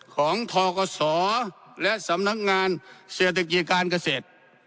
ทกศและสำนักงานเศรษฐกิจการเกษตร